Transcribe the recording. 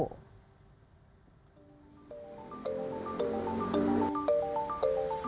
gerakan nasional pengawal fatwa ulama